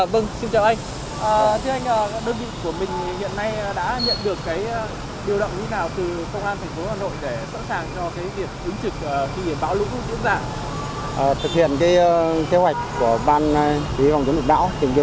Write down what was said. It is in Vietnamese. vâng xin chào anh